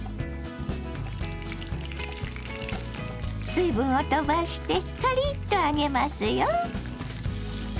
水分を飛ばしてカリッと揚げますよ。